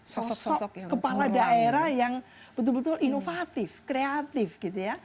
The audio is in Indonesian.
sosok kepala daerah yang betul betul inovatif kreatif gitu ya